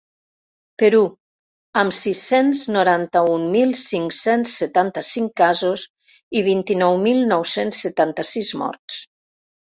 Perú, amb sis-cents noranta-un mil cinc-cents setanta-cinc casos i vint-i-nou mil nou-cents setanta-sis morts.